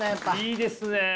いいですね！